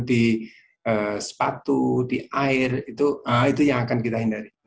di sepatu di air itu yang akan kita hindari